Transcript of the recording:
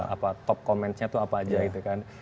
apa top commandnya tuh apa aja gitu kan